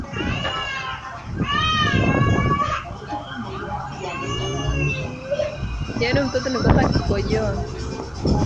ilivyo na wanyama wengi katika orodha hii bonde